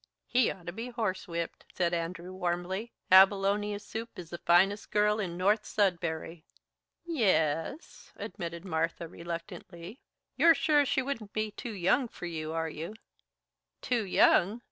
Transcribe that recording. "He ought to be horsewhipped!" said Andrew warmly. "Abilonia Supe is the finest girl in North Sudbury." "Ye es," admitted Marthy reluctantly. "You're sure she wouldn't be too young for you, are you?" "Too young?